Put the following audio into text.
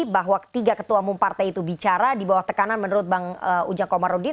bahwa ketiga ketua umum partai itu bicara di bawah tekanan menurut bang ujang komarudin